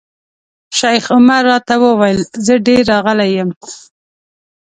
شیخ عمر راته وویل زه ډېر راغلی یم.